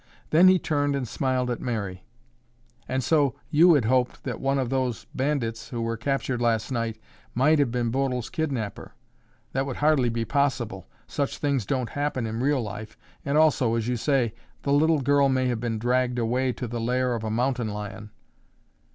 Then he turned and smiled at Mary. "And so you had hoped that one of those bandits who were captured last night might have been Bodil's kidnapper. That would hardly be possible. Such things don't happen in real life and, also, as you say, the little girl may have been dragged away to the lair of a mountain lion."